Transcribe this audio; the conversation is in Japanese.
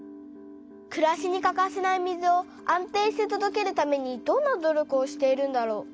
くらしにかかせない水を安定してとどけるためにどんな努力をしているんだろう。